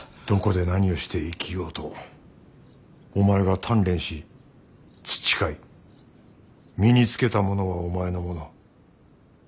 どこで何をして生きようとお前が鍛錬し培い身につけたものはお前のもの。